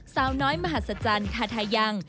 สาวน้อยมหัศจรรย์คาทาทายัง